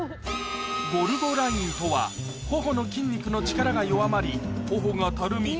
ゴルゴラインとは頬の筋肉の力が弱まり頬がたるみ